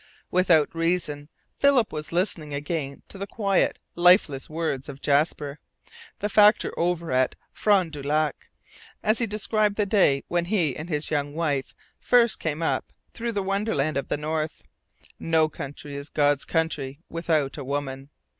Without reason, Philip was listening again to the quiet lifeless words of Jasper, the factor over at Fond du Lac, as he described the day when he and his young wife first came up through the wonderland of the North. "No country is God's Country without a woman!"